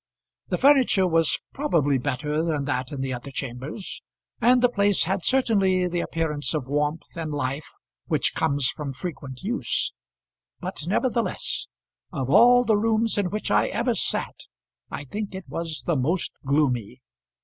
The furniture was probably better than that in the other chambers, and the place had certainly the appearance of warmth and life which comes from frequent use; but nevertheless, of all the rooms in which I ever sat I think it was the most gloomy.